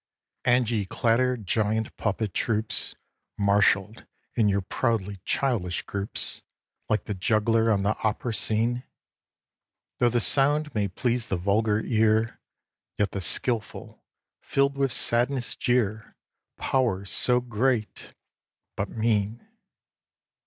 And ye clatter, giant puppet troops, Marshalled in your proudly childish groups, Like the juggler on the opera scene? Though the sound may please the vulgar ear, Yet the skilful, filled with sadness, jeer Powers so great, but mean.